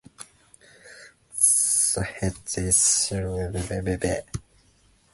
The head is cylindrical and as long as the pronotum and scutellum combined.